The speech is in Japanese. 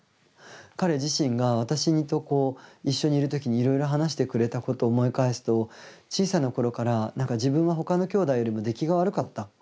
彼自身が私と一緒にいる時にいろいろ話してくれたことを思い返すと小さな頃から自分は他のきょうだいよりも出来が悪かった。